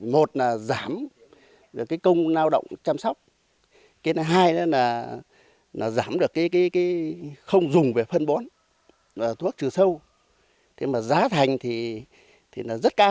một là giảm được cái công lao động chăm sóc hai là giảm được cái không dùng về phân bón thuốc trừ sâu thế mà giá thành thì rất cao nó khoảng ba mươi ba mươi năm nghìn đồng trên một cân